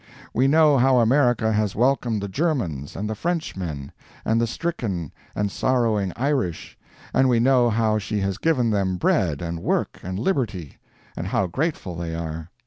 We know how America has welcomed the Germans and the Frenchmen and the stricken and sorrowing Irish, and we know how she has given them bread and work and liberty, and how grateful they are.